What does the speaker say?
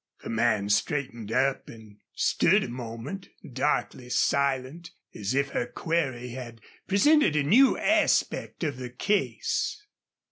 The man straightened up and stood a moment, darkly silent, as if her query had presented a new aspect of the case.